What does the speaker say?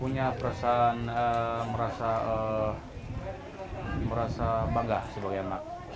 punya perasaan merasa bangga sebagai anak